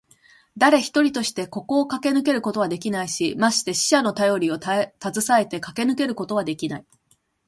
だれ一人としてここをかけ抜けることはできないし、まして死者のたよりをたずさえてかけ抜けることはできない。